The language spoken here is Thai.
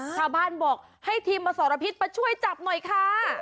ชาวบ้านบอกให้ทีมอสรพิษมาช่วยจับหน่อยค่ะ